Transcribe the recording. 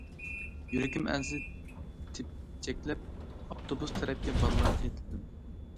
يۈرىكىم ئەنسىز تېپچەكلەپ، ئاپتوبۇس تەرەپكە بالىلارچە ئېتىلدىم.